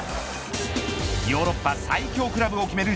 ヨーロッパ最強クラブを決める